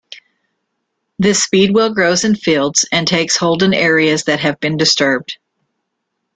This speedwell grows in fields and takes hold in areas that have been disturbed.